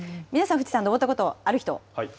富士山、登ったことある人。